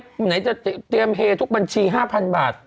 เขาบอกเตรียมเฮ้ทุกบัญชี๕๐๐๐บาท